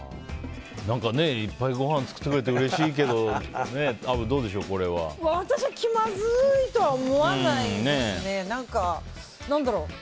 いっぱいごはん作ってくれてうれしいけど私は気まずいとは思わないですね。